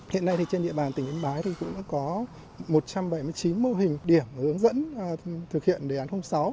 hiện nay trên địa bàn tỉnh yến bái cũng có một trăm bảy mươi chín mô hình điểm hướng dẫn thực hiện đề án sáu